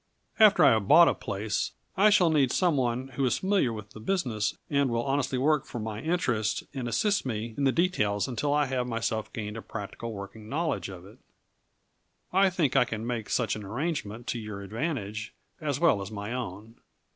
After I have bought a place, I shall need some one who is familiar with the business and will honestly work for my interests and assist me in the details until I have myself gained a practical working knowledge of it. I think I can make such an arrangement to your advantage as well as my own.